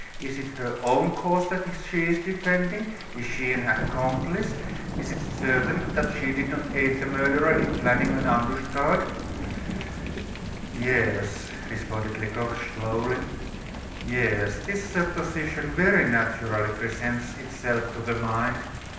Is it her own cause that she is defending? Is she an accomplice? Is it certain that she did not aid the murderer in planning an ambuscade?" "Yes," responded Lecoq, slowly, "yes; this supposition very naturally presents itself to the mind.